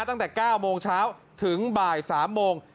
ตั้งแต่๙โมงเช้าถึงบ่าย๓โมง